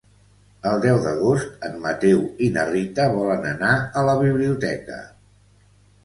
El deu d'agost en Mateu i na Rita volen anar a la biblioteca.